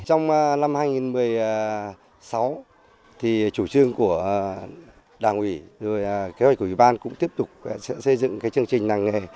trong năm hai nghìn một mươi sáu chủ trương của đảng ủy và kế hoạch của ủy ban cũng tiếp tục xây dựng chương trình làng nghề